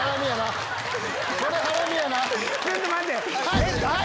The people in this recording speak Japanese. はい！